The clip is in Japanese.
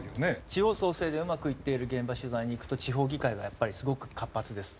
地方創生でうまくいっている現場取材に行くと地方議会がやっぱりすごく活発です。